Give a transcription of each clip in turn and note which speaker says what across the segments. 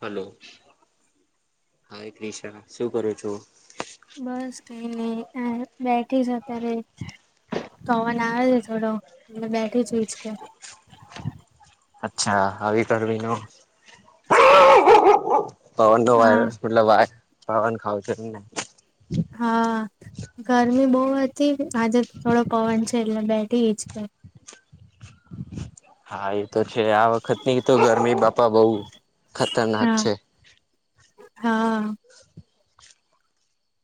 Speaker 1: Hello hi Krisha શું કરો છો?
Speaker 2: હ બેઠી છે, અત્યારે પવાન આવે છે થોડો બેઠી છું ઈચકે
Speaker 1: અચ્છા આવી કરવી નો
Speaker 2: હા
Speaker 1: પવન [unintelligible] પાવન ખાવ છે એમને
Speaker 2: હા, ગરમી બો હતી આજે થોડો પવન છે એટલે બેઠી જ ગઈ
Speaker 1: હાએ તો છે આ વખતની તો ગરમી બાપા બહુ ખતરનાક
Speaker 2: હા.
Speaker 1: છે.
Speaker 2: હા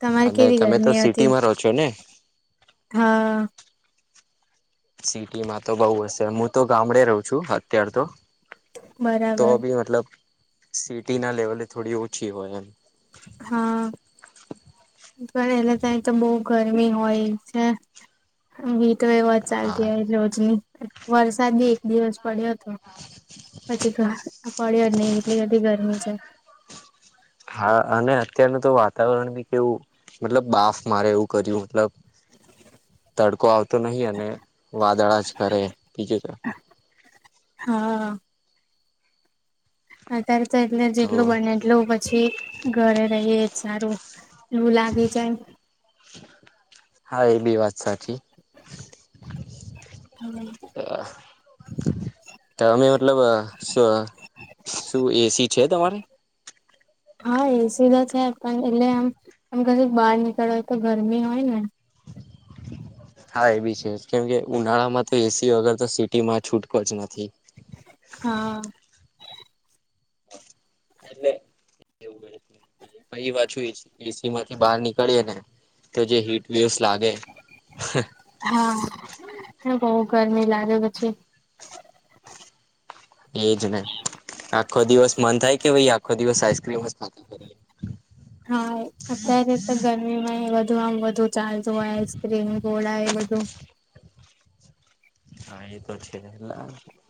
Speaker 2: તમારે
Speaker 1: અને
Speaker 2: કેવી
Speaker 1: તમે તો
Speaker 2: ગરમી હતી
Speaker 1: સિટીમાં રહો છો ને
Speaker 2: હા
Speaker 1: સિટીમાં તો બઉ હશે હું તો ગામડે રહું છું અત્યાર તો તો
Speaker 2: બરાબર
Speaker 1: ભી મતલબ સિટી ના લેવલે થોડી ઓછી હોય એમ
Speaker 2: હા. પણ એલે ત તો બહુ ગરમી હોય છે તે વાત
Speaker 1: હા
Speaker 2: ચાલતી રોજની વરસાદ બી એક દિવસ પડ્યો પછી પડ્યા નહી એટલી બધી ગરમી છે
Speaker 1: હા અને અત્યારનું તો વાતાવરણ બી કેવું મતલબ બાફ મારે એવું કર્યું મતલબ તડકો આવતો નહી અને વાદળા જ કરે બીજ તરફ
Speaker 2: હા હ ત્યારે એટલે જેટલુ
Speaker 1: તો
Speaker 2: બને એટલું પછી ઘરે રહીએ સારું લુ લાગી જાય
Speaker 1: હા એ બી વાત સાચી
Speaker 2: હમ [unintelligible]
Speaker 1: તમે મતલબ શ શું એસી છે તમારે
Speaker 2: હા એસી તો છે પણ એટલે આમ આમ કરે બહાર નીકળવા હોય તો ગરમી હોય ને
Speaker 1: હા એ બી છે કેમ કે ઉનાળામાં તો એસી વગર તો સિટી માં છૂટકો જ નથી
Speaker 2: હા
Speaker 1: એટલે એવું બને વાત એસી માંથી બહાર નીકળી ને તો જે હીટ વેવસ લાગે
Speaker 2: હા બહુ ગરમી લાગે પછી
Speaker 1: એજ ને આખો દિવસ મન થાય કે ભાઈ આખો દિવસ આઈક્રીમ ખાતાકરીયૈ
Speaker 2: હા અત્યારે તો ગરમીમાં એવા તો આમ બધું ચાલતું હોય આઈસ્ક્રીમ ગોળા એ બધું
Speaker 1: હા એ તો છે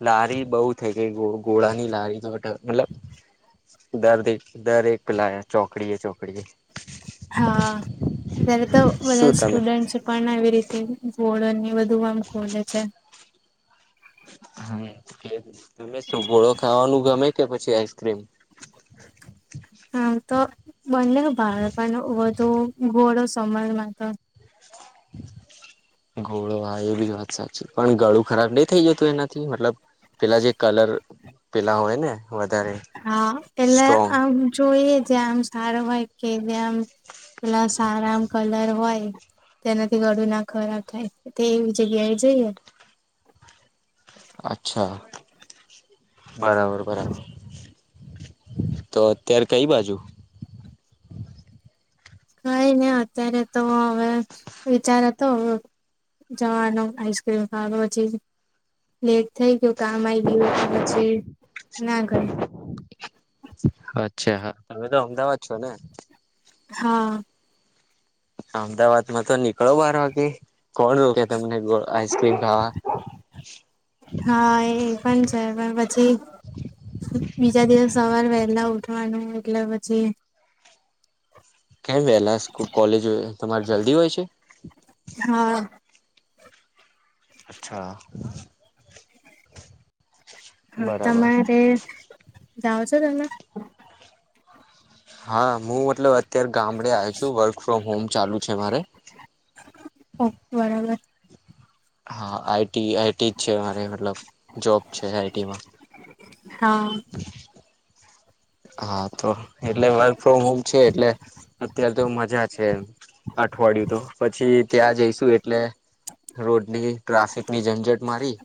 Speaker 1: લારી બહુ થઈ કે ઘોળાની લારી તો મતલબ દ દરેક લ ચોકડીએ ચોકડીએ
Speaker 2: હા અત્યારે તો બધા
Speaker 1: શું તમે
Speaker 2: સ્ટુડન્ટસ પણ આવી રીતે બોલો ને ધુઆમ ખોલે છે
Speaker 1: હમ કે સુભોળો ખાવાનું ગમે કે પછી આઈસક્રીમ
Speaker 2: હા તો બંને બાળપણ વધુ ઘોડો સમય માતો
Speaker 1: ઘોડો આ વેબી વાત સાચી પણ ગળું ખરાબ નઈ થઇ જતું એનાથી મતલબ પેલા જે કલર પેલા હોય ને વધારે
Speaker 2: હા એટલે
Speaker 1: સ્ટ્રોંગ
Speaker 2: આમ જોઈએ [unintelligible]
Speaker 1: અચ્છા બરાબર બરાબર તો અત્યારે કઈ બાજુ
Speaker 2: કઈ ને અત્યારે તો હવે વિચાર હતો હવે જવાનો આઈસક્રીમ ખાવા પછી લેટ થઈ ગયું કામ આઈ ગયું એટલે પછી ના ગય
Speaker 1: અચ્છા હા તમે તો અમદાવાદ છો ને
Speaker 2: હા
Speaker 1: અમદાવાદ માં તો નીકળો બાર વાગે કોણ રો તમને ગોળ
Speaker 2: હા એ પણ છે પણ પછી બીજા દિવસ સવાર વહેલા ઉઠ ઉઠવાનું એટલે પછી
Speaker 1: કેમ વેલા કોલેજ હોય તમારે જલ્દી હોય છે
Speaker 2: હા
Speaker 1: અચ્છા
Speaker 2: હા
Speaker 1: બરાબર
Speaker 2: તમારે જાવ છો ત હના
Speaker 1: હા હું મતલબ અત્યારે ગામડે આવ છું વર્ક ફ્રોમ હોમ ચાલુ છે મારે
Speaker 2: ઓ બરાબર
Speaker 1: હા આઈટી આઈટી જ છેરેતલ જોબ છે આઈટીમાં
Speaker 2: હા
Speaker 1: હા તો એટલે વર્ક ફ્રોમ હોમ છે એટલે અત્યારે તો મજા છે અઠવાડિયું તો પછી ત્યાં જઈશું એટલે રોડની ટ્રાફિક ની ઝંઝટ મારી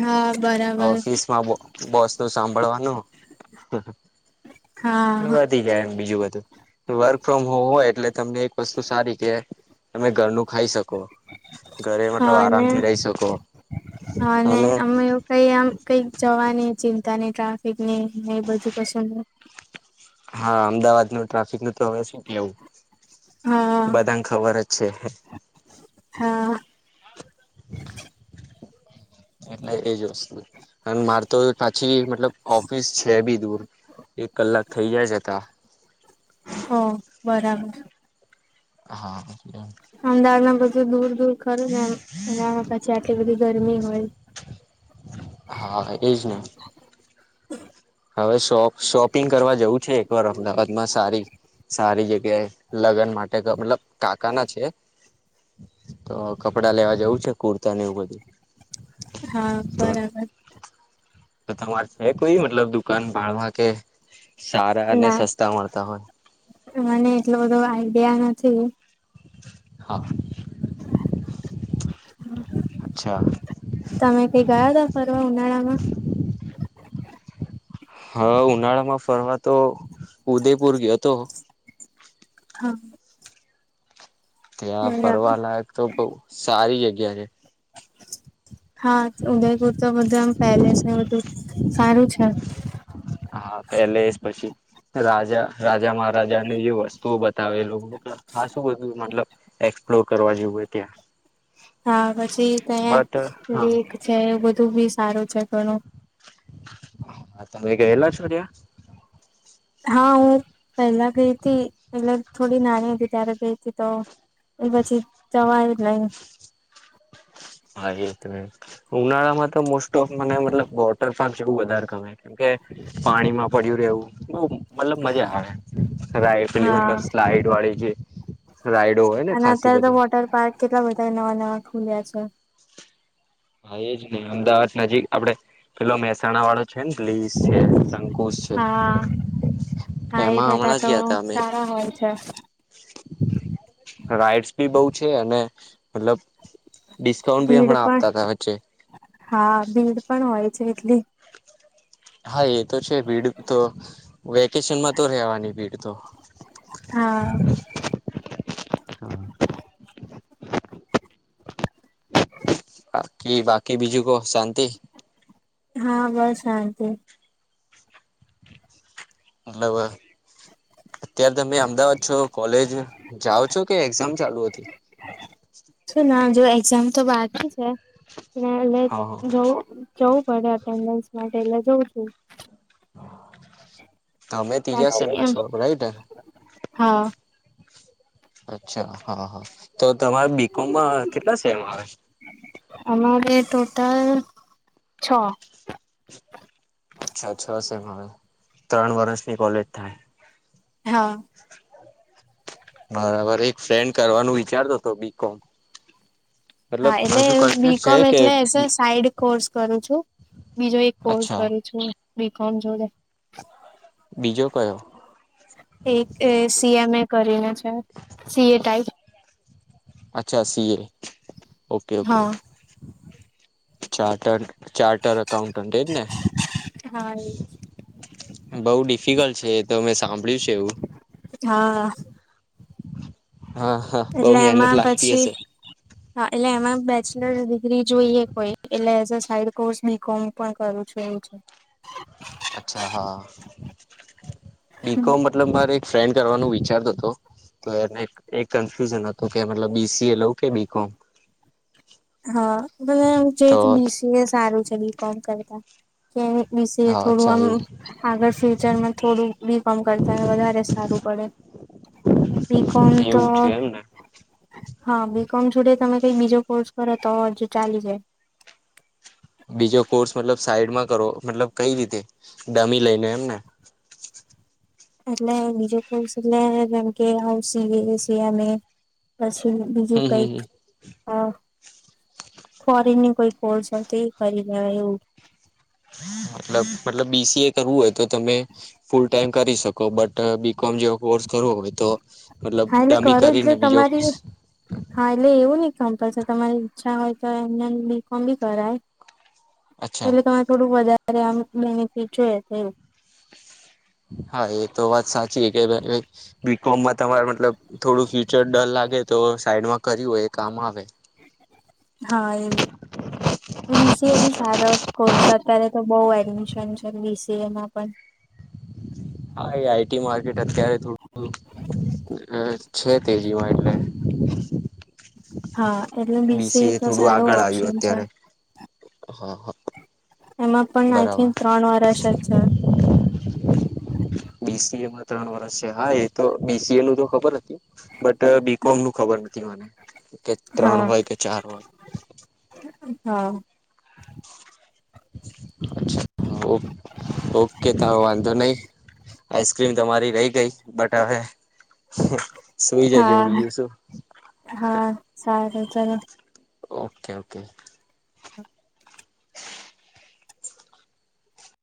Speaker 2: હા બરાબર
Speaker 1: ઓફિસમાં બોસ ન સાંભળવા [inaudible] [inaudible]
Speaker 2: હા
Speaker 1: વાત જાય બીજું વાત વર્ક ફ્રોમ હોમ હોય એટલે તમને એક વસ્તુ સારી કે તમે ઘરનું ખાઈ શકો ઘરે મતલબ
Speaker 2: હા ને
Speaker 1: આરામથી રહી શકો
Speaker 2: હા ને
Speaker 1: અને
Speaker 2: અમે એવું કઈ આમ કઈક જવાની ચિંતા નહી ટ્રાફિક ન ન બધું કશું
Speaker 1: હા અમદાવાદ નું ટ્રાફિક ન તો હવે શું કે લવું
Speaker 2: હા
Speaker 1: બધાને ખબર જ છે
Speaker 2: હા [unintelligible]
Speaker 1: એટલે એજ વસ્તુ અને મારે તો પાછી મતલબ ઓફિસ છે બી દૂર એક કલાક થઈ જાય જ હતા
Speaker 2: ઓ બરાબર
Speaker 1: હા હા
Speaker 2: [unintelligible] દૂર દૂર ખરું નેમ એનામા પછી આટલી બધી ગરમી હોય.
Speaker 1: હા એજ ને હવે શોપ શોપિંગ કરવા જવું છે એક વાર અમદાવાદમાં સારી સારી જ કે લગન માટે મતલબ કાકા ના છે તો કપડા લેવા જેવું છે કુર્તા ને એવું બધું.
Speaker 2: હા
Speaker 1: તો
Speaker 2: બરાબર.
Speaker 1: તો તમારે છે કોઈ મતલબ દુકાન ભાળમાં કે. સારા અને
Speaker 2: ના
Speaker 1: સસ્તા મળતા હોય.
Speaker 2: મને એટલો બધો આઈડિયા નથી.
Speaker 1: હા. અચ્છા
Speaker 2: હ. તમે કોઈ ગયા. ફરવા ઉનાળામાં.
Speaker 1: હા ઉનાળામાં ફરવા તો ઉદયપુર ગયો તો.
Speaker 2: હા.
Speaker 1: ત્યાં
Speaker 2: બરાબર
Speaker 1: ફરવાલાાયક તો બઉ સારી ય ગયારે.
Speaker 2: હા ઉદયપુર તો બધું એમ પેલેસ ને બધું સારું છે.
Speaker 1: હા પેલેસ પછી રાજા રા જા મહારાજા ને જે વસ્તુઓ બતાવે એ લોકો તો ખાસું બધું મતલબ એક્સપ્લોર કરવા જવું ત્યાં
Speaker 2: હા પછી ત્યા
Speaker 1: બટ
Speaker 2: લીક
Speaker 1: હા
Speaker 2: છે એવું બ તોબી સારું છે ઘણું.
Speaker 1: તમે ગયેલા છો ત્યા
Speaker 2: હા હું પહેલા ગઈ હતી એટલે થોડી નાની હતી ત્યારે ગઈ તી તો એ પછી જવાયુ જ નઈ.
Speaker 1: હા એ તો ઉનાળા માં તો મોસ્ટ ઓફ મને મતલબ વોટર પાર્ક જેવું વધારે ગમે કેમકે પાણીમાં પડ્યું રહેવું. મતલબ મજા આવે લાયટલી
Speaker 2: હા
Speaker 1: મતલબ સ્લાઈડ વાળી જે રાઈડો હોય ને
Speaker 2: અને
Speaker 1: ખાસી
Speaker 2: અત્યારે તો
Speaker 1: બધી
Speaker 2: વોટર પાર્ક કેટલા બધા નવા નવા. ખુલ્યા છે.
Speaker 1: હા એજ નઈ અમદાવાદ નજીક આપડે પેલો મહેસાણા વાળો છે ને પ્લી છે શંકુજ છે
Speaker 2: હા હા એ
Speaker 1: એમાં
Speaker 2: બધા
Speaker 1: હમણાં જ
Speaker 2: તો
Speaker 1: ગયા ત અમે.
Speaker 2: સારા હોય છે
Speaker 1: રાઈડ્સ બી બઉ છે અને મતલબ ડિસ્કાઉન્ટ ભી
Speaker 2: ભીડ
Speaker 1: હમણા આપ
Speaker 2: પણ
Speaker 1: છે.
Speaker 2: હા ભીડ પણ હોય છે એટલી
Speaker 1: [unintelligible] તો છે ભીડ તો વેકેશનમાં તો રહેેવાની ભીડ તો
Speaker 2: હા [inaudible]
Speaker 1: બાકી બાકી બીજું કો શાંતિ
Speaker 2: હા બસ શાંતિ
Speaker 1: મતલબ અત્યારે તમે અમદાવાદ છો કોલેજ જાઓ છો કે એક્ઝામ ચાલુ હતી
Speaker 2: શું ના જો એક્ઝામ તો બાકી છે એટલે
Speaker 1: હા હા
Speaker 2: જવું જવું પડે એટેન્ડસ માટે એટલે જઉં છું
Speaker 1: તમે તીજા
Speaker 2: બાકી
Speaker 1: સેમ માં
Speaker 2: એમ
Speaker 1: છો રાઈટ ને
Speaker 2: હા
Speaker 1: અચ્છા હા હા તો તમારે બીકોમમાં કેટલા છે અરે
Speaker 2: અમારે ટોટલ છ
Speaker 1: અચ્છા છ સેમ હ ત્રણ વર્ષની કોલેજ થાય
Speaker 2: હા
Speaker 1: બરાબર એક ફ્રેન્ડ કરવાનું વિચારતોો હતો બી કો
Speaker 2: હા એટલે બી કોમ એટલે સાઈડ કોર્સ કરું છું બીજો એક કોર્સ
Speaker 1: અચ્છા
Speaker 2: કરું છું બી કોમ જોડે
Speaker 1: બીજો કયો
Speaker 2: એક સીએમ એ કરીને છે સીએ ટાઈપ
Speaker 1: અચ્છા સીએ ઓકે ઓકે
Speaker 2: હા
Speaker 1: ચાર્ટડ ચાર્ટર એકાઉન્ટન્ટ એજ ને
Speaker 2: હા
Speaker 1: બઉ ડિફિકલ્ટ છે તો મે સાંભળ્યું છે એવું
Speaker 2: હા
Speaker 1: હ
Speaker 2: એટલે એમાં પછી એટલે એમાં બેચલર ડિગ્રી જોઈએ કોઈ એટલે as a side course B com પણ કરું છું એવ છે
Speaker 1: અચ્છા હા બીકોમ મતલબ મારે એક ફ્રેન્ડ કરવાનું વિચારતો હતો તો એને એક કન્ફ્યુઝન હતું કે મતલબ બીસીએ લઉ કે બી કોમ
Speaker 2: હા મ જે બીસીએ સારું છે લી કોમ કરતા કે વિશે
Speaker 1: હા
Speaker 2: થોડું
Speaker 1: અચ્છા
Speaker 2: આમ
Speaker 1: એવું
Speaker 2: આગળ ફ્યુચરમાં થોડું બીકોમ કરતા વધારે સારું પડે બીકોમ તો
Speaker 1: એવું છે એમને
Speaker 2: હા, બી કોમ જોડે તમે કઈ બીજો કોર્સ કરે તો હજુ ચાલી જાય.
Speaker 1: બીજો કોર્સ મતલબ સાઈડમાં કરો મતલબ કઈ રીતે ડમી લઈને એમને?
Speaker 2: એટલે બીજો કોસ એટલે જેમ કે આવ સીવે શિવામે બીજું
Speaker 1: હમ
Speaker 2: કઈક
Speaker 1: હમ
Speaker 2: હા, ફોરીનની કોઈ કોસ છ તે કરી લવા એવું.
Speaker 1: મતલબ મતલબ બી સી એ કરવું હોય તો તમે ફૂલ ટાઈમ કરી શકો બટ બી કોમ જેવો કોર્સ કરવો હોય તો મતલબ
Speaker 2: હા એટલે કરો
Speaker 1: ડમી
Speaker 2: એટલે
Speaker 1: કરીને બીજો
Speaker 2: તમારી હા એટલે એવું કમ્પલસરી તમારી ઈચ્છા હોય તો એમને બી કોમ બી કરાય.
Speaker 1: અચ્છા
Speaker 2: પેલે તમારે થોડુંક મજા આમ બેનિફિટ જો તે.
Speaker 1: હા એ તો વાત સાચી કે બી કોમમાં તમાર મતલબ થોડું ફ્યુચર ડર લાગે તો સાઈડમાં કર્યું હોય એ કામ આવે.
Speaker 2: હા એમ, બી સી એ બી સારો કોર્સ છે અત્યારે તો બવ એડમિશન છે બી સી એમાં પણ.
Speaker 1: આઈ ટી માર્કેટ અત્યારે થોડુંક અ છે તેજી માં એટલે.
Speaker 2: હા એટલે બી સી એ
Speaker 1: બીસીએ
Speaker 2: તો
Speaker 1: થોડું
Speaker 2: સારો
Speaker 1: આગળ આવ્યું
Speaker 2: ઓપ્શન છે.
Speaker 1: અત્યારે હા હા
Speaker 2: એમાં પણ આઈ
Speaker 1: બરાબર
Speaker 2: થિંક ત્રણ વર્ષ જ છે.
Speaker 1: બી સી એમાં ત્રણ વર્ષ છે. હા એ તો બી સી એ નું તો ખબર હતી બટ બી કોમ નું ખબર નતી મને. કે ત્રણ
Speaker 2: હા
Speaker 1: હોય કે ચાર હોય.
Speaker 2: હા.
Speaker 1: અચ ઓ ઓકે તો હવ વાંધો નહી આઈસ્ક્રીમ તમારી રહી ગઈ બટ હવે સુઈ જજો
Speaker 2: હા,
Speaker 1: બીજું શું
Speaker 2: હા સારું. તને
Speaker 1: ઓકે ઓકે.